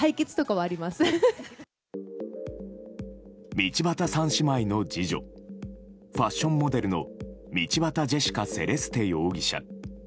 道端三姉妹の次女ファッションモデルの道端ジェシカ・セレステ容疑者。